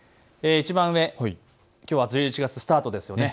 いちばん上、きょうは１１月スタートですね。